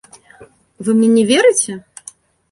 Вы мне не верыце?